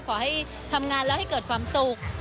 ขอให้ทำงานแล้วให้เกิดความสุข